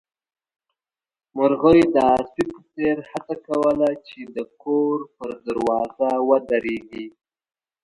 مرغۍ د سپي په څېر هڅه کوله چې د کور پر دروازه ودرېږي.